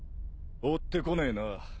追ってこねえな。